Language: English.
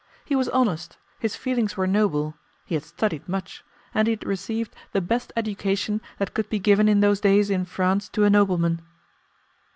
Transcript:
He was honest, his feelings were noble, he had studied much, and he had received the best education that could be given in those days in France to a nobleman.